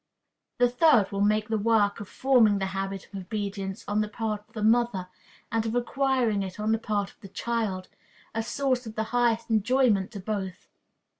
The third will make the work of forming the habit of obedience on the part of the mother, and of acquiring it on the part of the child, a source of the highest enjoyment to both.